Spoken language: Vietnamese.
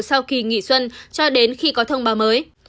sau kỳ nghỉ xuân cho đến khi có thông báo mới